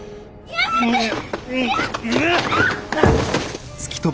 やっ！